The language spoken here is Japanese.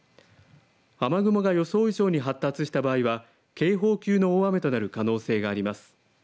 雨雲が予想以上に発達した場合は警報級の大雨となる可能性があります。